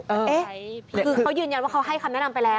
เอ๊ะคือเขายืนยันว่าเขาให้คำแนะนำไปแล้ว